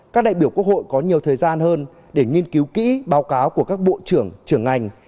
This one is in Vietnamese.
các đại biểu quốc hội có nhiều thời gian hơn để nghiên cứu kỹ báo cáo của các bộ trưởng trưởng ngành